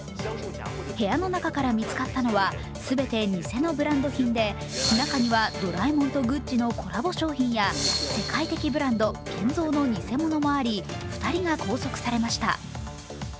部屋の中から見つかったのは、全て偽のブランド品で中にはドラえもんとグッチのコラボ商品や世界的ブランド、ケンゾーの偽物もあり、２人が拘束されました。